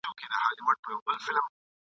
پاچهي د جهان ورکړې نه مړیږي!.